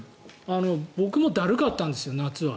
僕もだるかったんです、夏は。